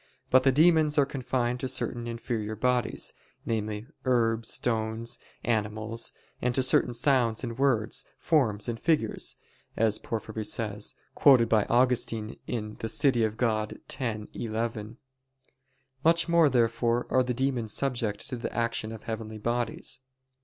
But the demons are confined to certain inferior bodies, namely, "herbs, stones, animals, and to certain sounds and words, forms and figures," as Porphyry says, quoted by Augustine (De Civ. Dei x, 11). Much more therefore are the demons subject to the action of heavenly bodies.